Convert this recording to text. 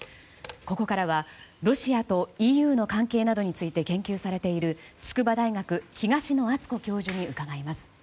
ここからはロシアとＥＵの関係などについて研究されている筑波大学、東野篤子教授に伺います。